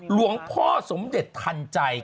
หลวงพ่อสมเด็จทันใจ